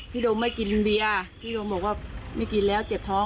โดมไม่กินเบียร์พี่โดมบอกว่าไม่กินแล้วเจ็บท้อง